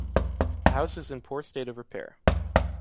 The house is in poor state of repair.